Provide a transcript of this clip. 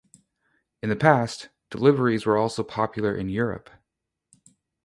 In the past, deliveries were also popular in Europe.